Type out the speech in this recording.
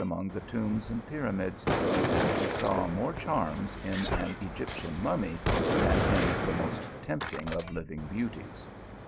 among the tombs and pyramids, and who saw more charms in an Egyptian mummy than in the most tempting of living beauties.